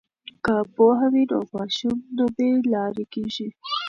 که پوهه وي نو ماشوم نه بې لارې کیږي.